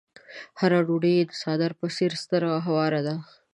هره ډوډۍ يې د څادر په څېر ستره او هواره ده.